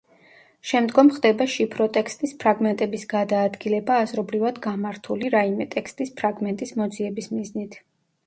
შემდგომ ხდება შიფროტექსტის ფრაგმენტების გადაადგილება აზრობრივად გამართული რაიმე ტექსტის ფრაგმენტის მოძიების მიზნით.